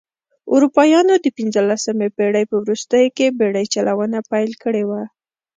اروپایانو د پنځلسمې پېړۍ په وروستیو کې بېړۍ چلونه پیل کړې وه.